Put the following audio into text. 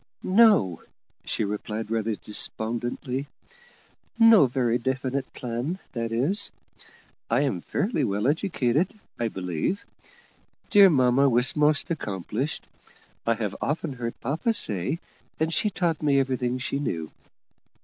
"No," she replied rather despondently: "no very definite plan, that is. I am fairly well educated, I believe. Dear mamma was most accomplished, I have often heard papa say, and she taught me everything she knew.